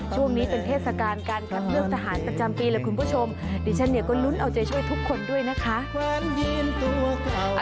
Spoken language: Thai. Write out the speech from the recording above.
ช่วงนี้เป็นเทศกาลการคัดเลือกทหารประจำปีแหละคุณผู้ชมดิฉันเนี่ยก็ลุ้นเอาใจช่วยทุกคนด้วยนะคะ